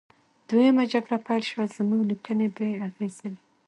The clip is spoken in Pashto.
دویمه جګړه پیل شوه او زموږ لیکنې بې اغیزې وې